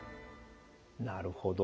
なるほど。